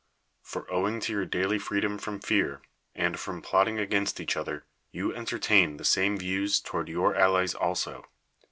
For owing to your daily freedom from fear, and from plot ting against each other, you entertain the same views toward your allies also.